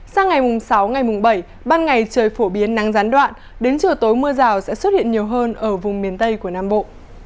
sang ngày mùng sáu ngày mùng bảy ban ngày trời phổ biến nắng gián đoạn đến chiều tối mưa rào sẽ xuất hiện nhiều hơn ở vùng miền tây của nam bộ